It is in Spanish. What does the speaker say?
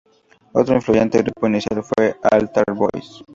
Otro influyente grupo inicial fue Altar Boys.